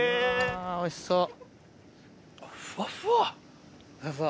おいしそう。